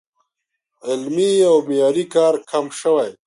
علمي او معیاري کار کم شوی